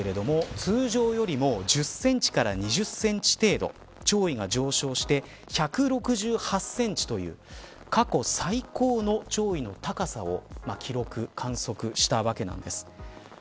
通常よりも１０センチから２０センチ程度潮位が上昇して１６８センチという過去最高の潮位の高さを記録、観測したわけなんです。